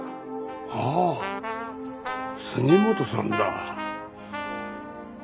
ああ杉本さんだ。